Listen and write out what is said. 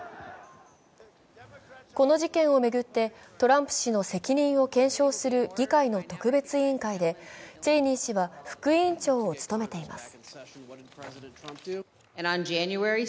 この事件を巡ってトランプ氏の責任を検証する議会の特別委員会でチェイニー氏は副委員長を務めています。